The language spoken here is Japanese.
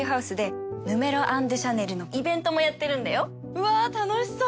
うわ楽しそう！